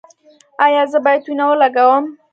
ایا زه باید وینه ولګوم؟